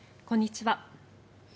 こんにちは。